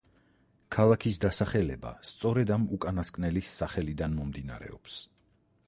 ქალაქის დასახელება სწორედ ამ უკანასკნელის სახელიდან მომდინარეობს.